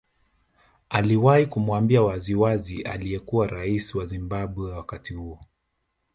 Aliwahi kumwambia waziwazi aliyekuwa rais wa Zimbabwe wakati huo